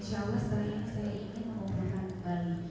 insya allah setelah ini saya ingin mengobrolkan kembali